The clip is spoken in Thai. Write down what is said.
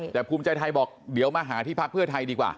แต่ภูมิใจไทยบอกเดี๋ยวมาหาที่พักเพื่อไทยดีกว่า